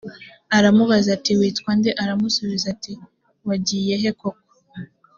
aramubaza ati witwa nde aramusubiza ati wagiyehe koko